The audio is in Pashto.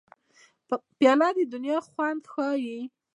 پیاله د دنیا خوند ښيي.